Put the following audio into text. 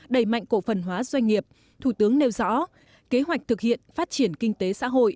đẩy mạnh cổ phần hóa doanh nghiệp thủ tướng nêu rõ kế hoạch thực hiện phát triển kinh tế xã hội